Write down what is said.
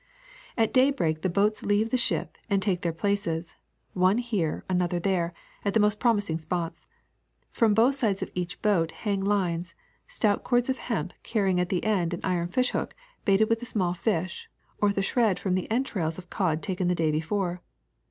At daybreak the boats leave the ship and take their places, one here, another there, at the most promising spots. From both sides of each boat hang lines — stout cords of hemp carrying at the end an iron fish hook baited with a small fish or with a shred from the entrails of cod taken the day before.